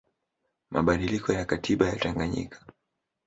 mabadiliko ya katiba ya Tanganyika